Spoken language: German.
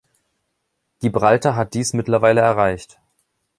Gibraltar hat dies mittlerweile erreicht.